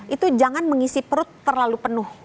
itu jangan mengisi perut terlalu penuh